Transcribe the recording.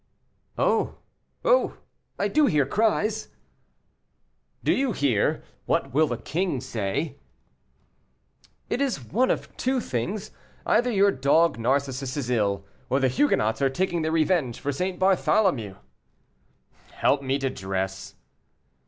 "Oh, oh! I do hear cries." "Do you hear, 'What will the king say?'" "It is one of two things either your dog Narcissus is ill, or the Huguenots are taking their revenge for St. Bartholomew." "Help me to dress."